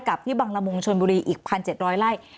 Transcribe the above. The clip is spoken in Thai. กับที่บังรมงค์ชนบุรีอีก๑๗๐๐ไร่